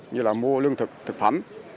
như là mua lương thực thực phẩm